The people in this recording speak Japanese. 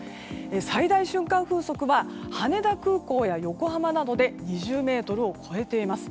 最大瞬間風速は羽田空港や横浜などで２０メートルを超えています。